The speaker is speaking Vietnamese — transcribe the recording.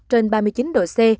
trên ba mươi chín độ c